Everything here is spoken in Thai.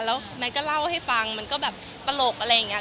แล้วแมนก็เล่าให้ฟังมันก็แบบตลกอะไรอย่างนี้